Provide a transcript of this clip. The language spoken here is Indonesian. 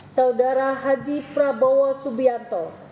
saudara haji prabowo subianto